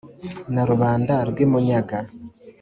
na rubanda rw’ i munyaga